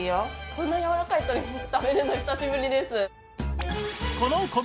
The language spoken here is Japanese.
こんなやわらかい鶏肉食べるの久しぶりです。